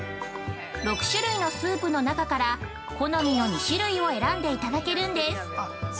６種類のスープの中から好みの２種類を選んでいただけるんです。